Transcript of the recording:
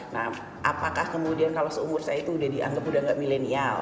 nah apakah kemudian kalau seumur saya itu udah dianggap udah gak milenial